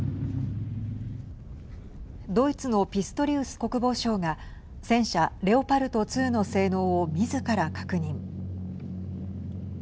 ドイツのピストリウス国防相が戦車レオパルト２の性能をみずから確認。